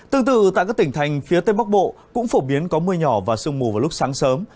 tương tự tại các tỉnh thành phía tây bắc bộ cũng phổ biến có mưa nhỏ và sương mù vào lúc sáng sớm